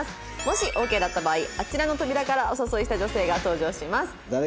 もしオーケーだった場合あちらの扉からお誘いした女性が登場します。